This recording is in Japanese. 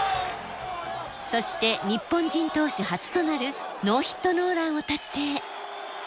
そして日本人投手初となるノーヒットノーランを達成。